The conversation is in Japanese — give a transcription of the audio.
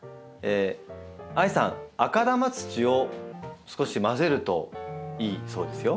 あいさん赤玉土を少し混ぜるといいそうですよ。